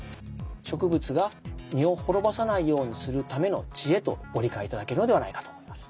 植物が身を滅ぼさないようにするための知恵とご理解いただけるのではないかと思います。